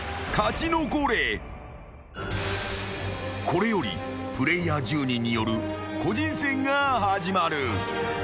［これよりプレイヤー１０人による個人戦が始まる］